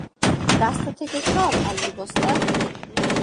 রাস্তা থেকে সর, আলুর বস্তা।